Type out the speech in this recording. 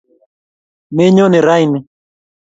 menyoni rani